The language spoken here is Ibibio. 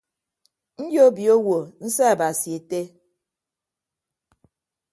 Nyobio owo nseabasi ette.